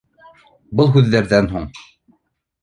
Был һүҙҙәрҙән һуң